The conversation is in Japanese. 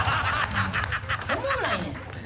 オモんないねん！